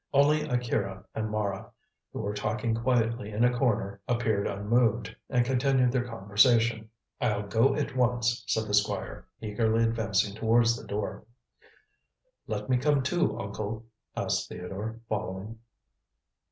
Only Akira and Mara, who were talking quietly in a corner, appeared unmoved, and continued their conversation. "I'll go at once," said the Squire, eagerly advancing towards the door. "Let me come too, uncle," asked Theodore, following.